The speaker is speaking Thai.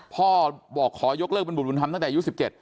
พ่อบอกขอยกเลิกเป็นบุตรบุญธรรมตั้งแต่อายุ๑๗